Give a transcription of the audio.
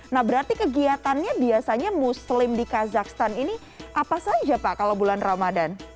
nah berarti kegiatannya biasanya muslim di kazakhstan ini apa saja pak kalau bulan ramadan